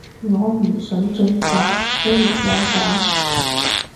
我唔想進化，雖然有假